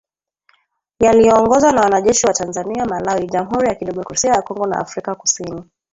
yaliyoongozwa na wanajeshi wa Tanzania, Malawi, jamhuri ya kidemokrasia ya Kongo na Afrika kusini